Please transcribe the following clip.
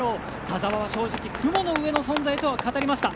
田澤は正直雲の上の存在とは語りました。